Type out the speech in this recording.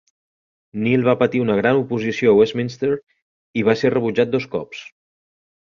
Neal va patir una gran oposició a Westminster i va ser rebutjat dos cops.